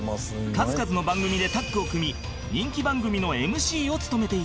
数々の番組でタッグを組み人気番組の ＭＣ を務めていた